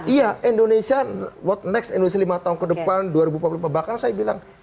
iya indonesia what next indonesia lima tahun ke depan dua ribu empat puluh lima bahkan saya bilang